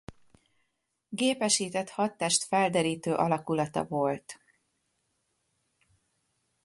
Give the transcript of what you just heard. Gépesített Hadtest felderítő alakulata volt.